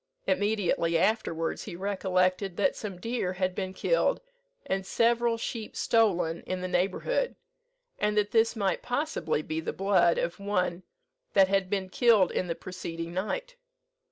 Immediately afterwards he recollected that some deer had been killed, and several sheep stolen in the neighbourhood; and that this might possibly be the blood of one that had been killed in the preceding night.